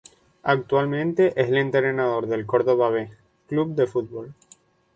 Actualmente es el entrenador del Cordoba "B" Club de fútbol.